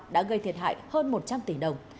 đã gây thiệt hại hơn một trăm linh tỷ đồng